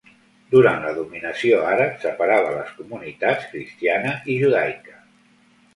Durant la dominació àrab separava les comunitats cristiana i judaica.